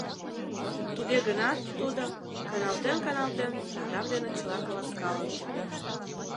Туге гынат тудо, каналтен-каналтен, радам дене чыла каласкалыш.